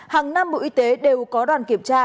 hàng năm bộ y tế đều có đoàn kiểm tra